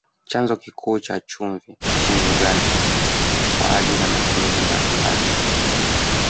Chanzo kikuu cha chumvi nchini Uganda kwa ajili ya matumizi mbalimbali